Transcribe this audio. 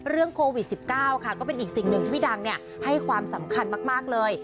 เรื่องโควิด๑๙ค่ะก็เป็นอีกสิ่งหนึ่งที่พี่ดังให้ความสำคัญมากเลย